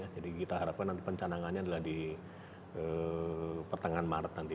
jadi kita harapkan nanti pencanangannya adalah di petangan maret nanti bu